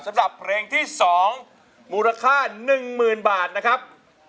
สำหรับเพลงที่๒มูลค่า๑๐๐๐บาทนะครับ